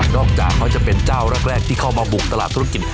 จากเขาจะเป็นเจ้าแรกที่เข้ามาบุกตลาดธุรกิจ